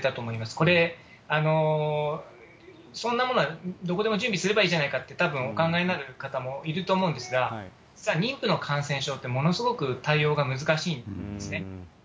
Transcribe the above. これ、そんなものはどこでも準備すればいいじゃないかって、たぶん、お考えになる方もいると思うんですが、実は妊婦の感染症ってものすごく対応が難しいんですね。